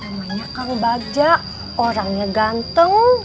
namanya kang bajak orangnya ganteng